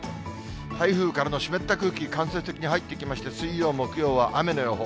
台風からの湿った空気、間接的に入ってきまして、水曜、木曜は雨の予報。